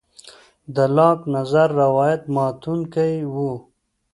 د لاک نظر روایت ماتوونکی و.